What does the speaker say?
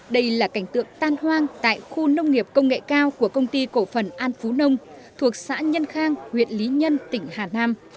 đây là cảnh tượng tan hoang tại khu nông nghiệp công nghệ cao của công ty cổ phần an phú nông thuộc xã nhân khang huyện lý nhân tỉnh hà nam